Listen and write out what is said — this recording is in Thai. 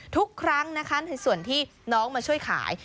ทุกครั้งนะคะในส่วนที่น้องมาช่วยขาย